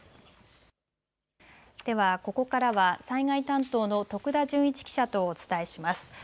ではここからは災害担当の徳田隼一記者とお伝えします。